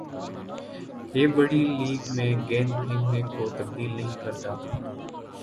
یہ بڑِی لیگ میں گیند پھینکنے کو تبدیل نہیں کرتا